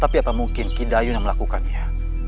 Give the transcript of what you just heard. tapi apa mungkin ki dayun yang melakukannya